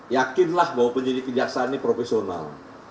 yakinlah bahwa penyelidiki jasa ini profesional